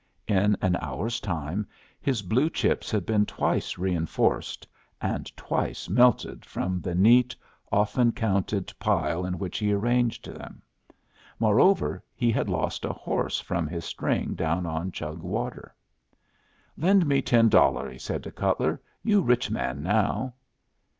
In an hour's time his blue chips had been twice reinforced, and twice melted from the neat often counted pile in which he arranged them; moreover, he had lost a horse from his string down on Chug Water. "Lend me ten dollar," he said to Cutler. "You rich man now."